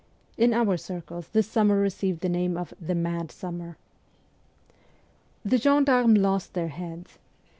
In our circles this summer received the name of 'the mad summer.' The gendarmes lost their heads.